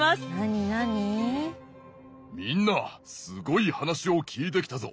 みんなすごい話を聞いてきたぞ。